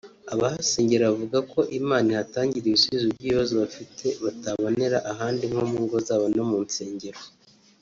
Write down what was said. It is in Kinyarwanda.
Abahasengera bavuga ko Imana ihatangira ibisubizo by’ibibazo bafite batabonera ahandi nko mu ngo zabo no mu nsengero